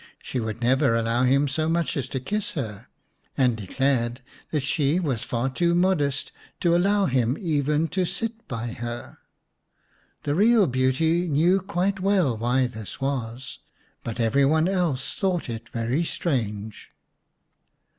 She would never allow him so much as to kiss her, and declared that she was far too modest to allow him even to sit by her. The real beauty knew quite well why this was, but every one else thought it very strange.